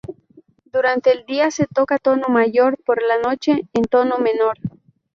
Durante el día, se toca en tono mayor, por la noche, en tono menor.